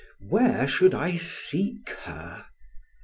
Where should I seek her?